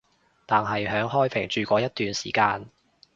但係響開平住過一段時間